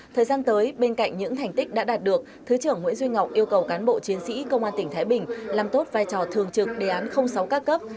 thời gian tới bên cạnh những thành tích đã đạt được thứ trưởng nguyễn duy ngọc yêu cầu cán bộ chiến sĩ công an tỉnh thái bình làm tốt vai trò thường trực đề án sáu các cấp